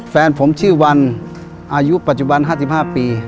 แฟนผมชื่อวันอายุปัจจุบัน๕๕ปี